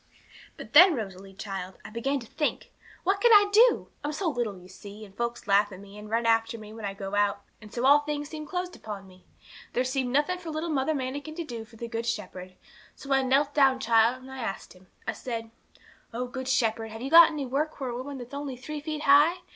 'But then, Rosalie, child, I began to think, What can I do? I'm so little, you see, and folks laugh at me, and run after me when I go out; and so all things seemed closed upon me. There seemed nothing for little Mother Manikin to do for the Good Shepherd. So I knelt down, child, and I asked Him. I said '"_Oh, Good Shepherd, have you got any work for a woman that's only three feet high?